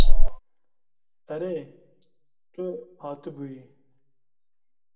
Erê tu hatibûyî.